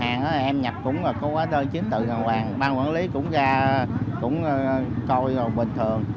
hàng em nhập cũng có hóa đơn chiến từ hoàn toàn ban quản lý cũng coi bình thường